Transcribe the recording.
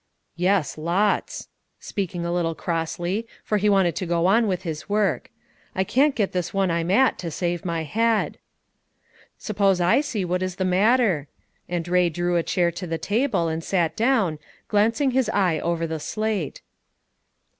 "Yes, lots," speaking a little crossly, for he wanted to go on with his work; "I can't get this one I'm at, to save my head." "Suppose I see what is the matter." And Bay drew a chair to the table and sat down, glancing his eye over the slate.